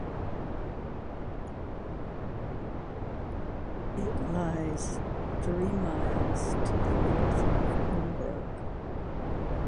It lies three miles to the north of Pembroke.